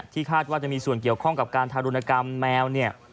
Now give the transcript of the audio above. คาดว่าจะมีส่วนเกี่ยวข้องกับการทารุณกรรมแมวเนี่ย